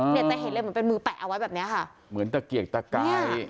เนี่ยจะเห็นเลยเหมือนเป็นมือแปะเอาไว้แบบเนี้ยค่ะเหมือนตะเกียกตะกาย